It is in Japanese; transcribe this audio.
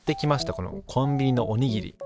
このコンビニのおにぎり。